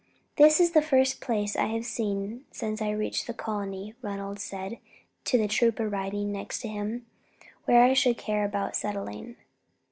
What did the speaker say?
"This is the first place that I have seen since I reached the colony," Ronald said to the trooper riding next to him, "where I should care about settling."